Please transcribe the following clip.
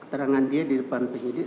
keterangan dia di depan penyidik